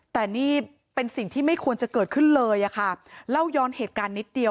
แต่นี่เป็นสิ่งที่ไม่ควรจะเกิดขึ้นเลยอะค่ะเล่าย้อนเหตุการณ์นิดเดียว